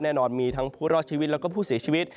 แน่นอนมีทั้งผู้รอดชีวิตแล้วก็ผู้เสียชีวิต